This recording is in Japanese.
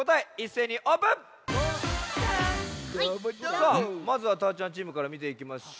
さあまずはたーちゃんチームからみていきましょう。